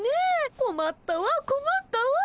こまったわこまったわ。